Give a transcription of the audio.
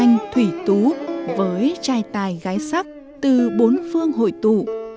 ca ngợi hành thủy tú với trai tài gái sắc từ bốn phương hội tụ